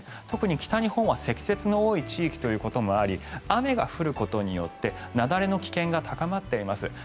特に北日本は積雪の多い地域ということもあり雨が降ることによって雪崩の危険が高まっています。